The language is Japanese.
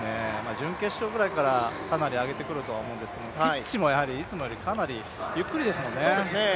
準決勝ぐらいからかなり上げてくるとは思うんですけどピッチもやはりいつもよりかなりゆっくりですもんね。